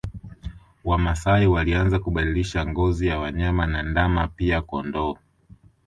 Wamasai walianza kubadilisha ngozi ya wanyama na ndama pia kondoo